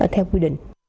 theo quy định